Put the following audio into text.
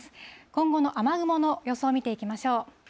今後の雨雲の予想を見ていきましょう。